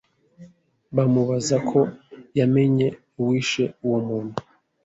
bamubaza ko yamenye uwishe uwo muntu;